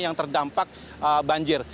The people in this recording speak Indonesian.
yang terdampak banjir